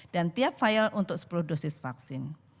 dan tiap vial untuk sepuluh dosis vaksin